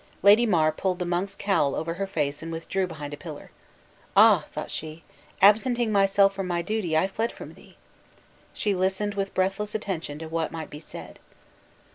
Lady Mar pulled the monk's cowl over her face and withdrew behind a pillar. "Ah!" thought she, "absenting myself from my duty, I fled from thee!" She listened with breathless attention to what might be said.